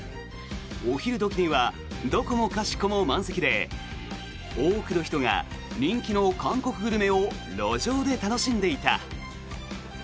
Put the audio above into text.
お昼時にはどこもかしこも満席で多くの人が人気の韓国グルメを路上で楽しんでいた。